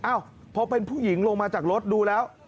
เอ้าพอเป็นผู้หญิงลงมาจากรถดูแล้ว